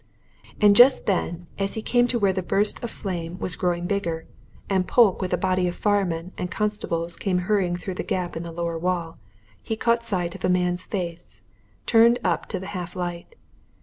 And just then as he came to where the burst of flame was growing bigger, and Polke with a body of firemen and constables came hurrying through a gap in the lower wall, he caught sight of a man's face, turned up to the half light.